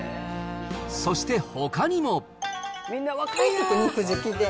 そしてほかにも。